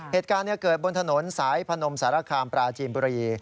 เหตุการณ์เกิดบนถนนสายพนมสารคามปราจีนบุรี